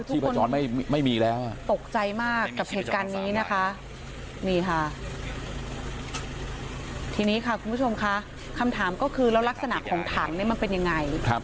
ทีนี้ค่ะคุณผู้ชมค่ะคำถามก็คือแล้วลักษณะของถังมันเป็นยังไง